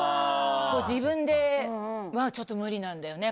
自分ではちょっと無理なんだよね。